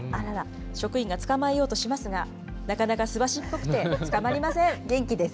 職員が捕まえようとしますが、なかなかすばしっこくて捕まりません。